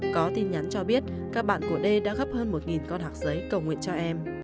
có tin nhắn cho biết các bạn của d đã gấp hơn một con học giấy cầu nguyện cho em